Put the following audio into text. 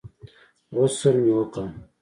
غسل مې وکړ.